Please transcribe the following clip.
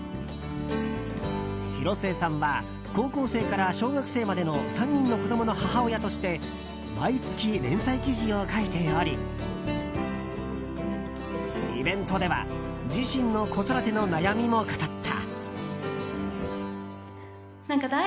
広末さんは高校生から小学生までの３人の子供の母親として毎月、連載記事を書いておりイベントでは自身の子育ての悩みも語った。